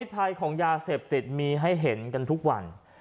ภัยของยาเสพติดมีให้เห็นกันทุกวัน